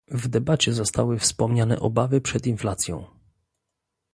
W debacie zostały wspomniane obawy przed inflacją